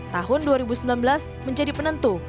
tahun dua ribu sembilan belas menjadi penentu